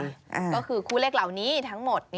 ก็คือคู่เลขเหล่านี้ทั้งหมด